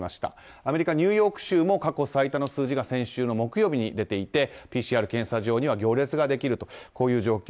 アメリカ・ニューヨーク州も過去最多の数字が先週木曜日に出ていてＰＣＲ検査場には行列ができるとこういう状況。